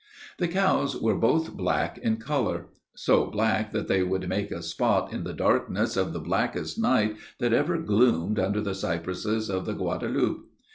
"The cows were both black in color; so black that they would make a spot in the darkness of the blackest night that ever gloomed under the cypresses of the Guadaloupe.